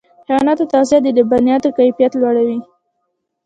د حیواناتو تغذیه د لبنیاتو کیفیت لوړوي.